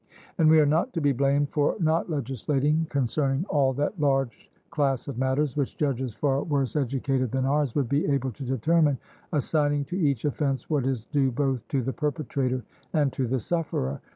And we are not to be blamed for not legislating concerning all that large class of matters which judges far worse educated than ours would be able to determine, assigning to each offence what is due both to the perpetrator and to the sufferer.